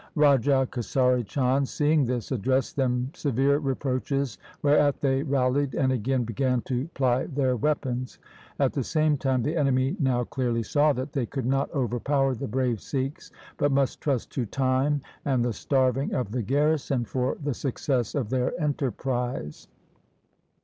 Raja Kesari Chand, seeing this, addressed them severe reproaches, whereat they rallied and again began to ply their weapons. At the same time the enemy now clearly saw that they could not over power the brave Sikhs, but must trust to time and the starving of the garrison for the success of their enterprise.